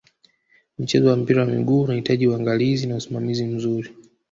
mchezo wa mpira wa miguu unahitaji unagalizi na usimamizi mzuri